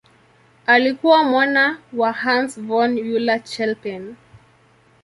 Alikuwa mwana wa Hans von Euler-Chelpin.